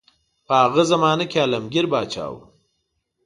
په هغه زمانه کې عالمګیر پاچا وو.